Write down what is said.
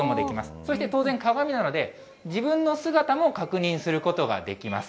そして当然、鏡なので、自分の姿も確認することができます。